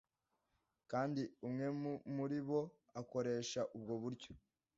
kandi umwe muri bo agakoresha ubwo buryo